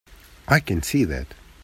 I can see that.